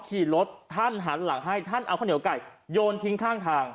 ขี่รถท่านหันหลังให้ท่านเอาข้าวเหนียวไก่โยนทิ้งข้างทาง